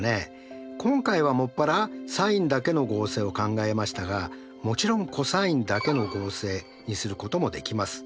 今回は専らサインだけの合成を考えましたがもちろんコサインだけの合成にすることもできます。